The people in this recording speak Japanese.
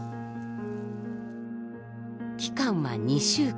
期間は２週間。